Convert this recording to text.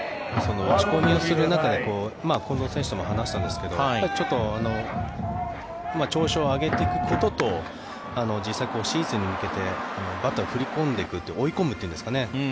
打ち込みをする中で近藤選手とも話したんですがちょっと調子を上げていくこととシーズンに向けてバットを振り込んでいく追い込むというんですかね